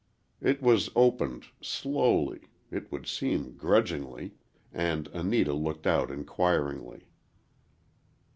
It was opened slowly,—it would seem, grudgingly,—and Anita looked out inquiringly.